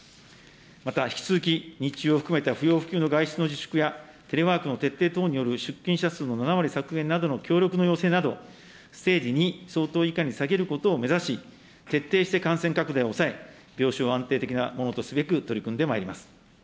また引き続き、日中を含めた不要不急の外出の自粛や、テレワークの徹底等による出勤者数の７割削減などの協力の要請など、ステージ２相当以下に下げることを目指し、徹底して感染拡大を抑え、病床を安定的なものとすべく取り組んでまいります。